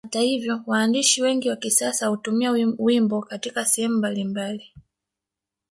Hata hivyo waandishi wengi wa kisasa hutumia wimbo Katika sehemu mbalimbali